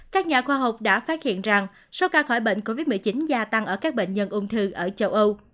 các nhà khoa học đã phát hiện rằng số ca khỏi bệnh covid một mươi chín gia tăng ở các bệnh nhân ung thư ở châu âu